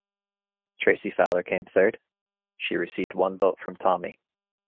Tracey Fowler came third, she received one vote from Tommy.